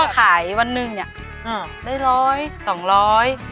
ขายวันหนึ่งเนี่ยได้ร้อยสองร้อย